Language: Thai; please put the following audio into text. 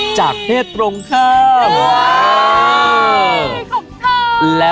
จากเทศรงค่า